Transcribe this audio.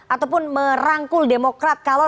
ataupun merangkul demokrat kalau